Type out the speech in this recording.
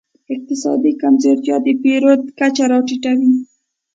اقتصادي کمزورتیا د پیرود کچه راټیټوي.